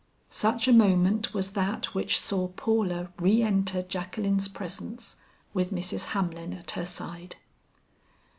Such a moment was that which saw Paula re enter Jacqueline's presence with Mrs. Hamlin at her side.